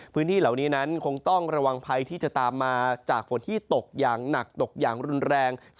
พื้นที่เหล่านี้นั้นคงต้องระวังภัยที่จะตามมาจากฝนที่ตกอย่างหนักตกอย่างรุนแรง